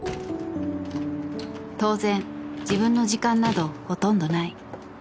［当然自分の時間などほとんどない］